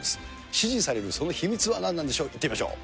支持されるその秘密は何なんでしょう、行ってみましょう。